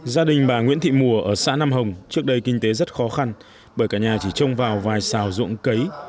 gia đình bà nguyễn thị mùa ở xã nam hồng trước đây kinh tế rất khó khăn bởi cả nhà chỉ trông vào vài xào ruộng cấy